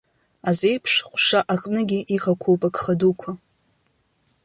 Азеиԥш ҟәша аҟныгьы иҟақәоуп агха дуқәа.